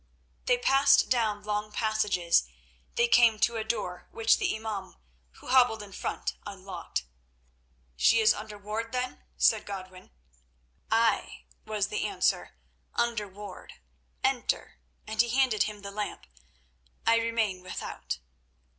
They passed down long passages; they came to a door which the imaum, who hobbled in front, unlocked. "She is under ward then?" said Godwin. "Ay," was the answer, "under ward. Enter," and he handed him the lamp. "I remain without."